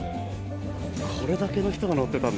これだけの人が乗ってたんだ